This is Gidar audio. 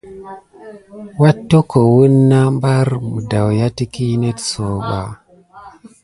Wat-tokowəni na ɓare miɖa wuya kiɗi net sayuɓa.